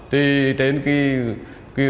thì trên cái